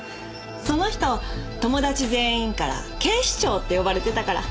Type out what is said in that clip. その人友達全員から「警視庁」って呼ばれてたから。